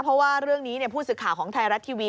เพราะว่าเรื่องนี้ผู้สื่อข่าวของไทยรัฐทีวี